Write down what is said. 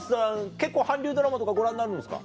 結構韓流ドラマとかご覧になるんですか？